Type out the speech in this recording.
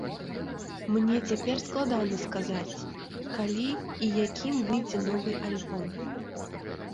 Мне цяпер складана сказаць, калі і якім выйдзе новы альбом.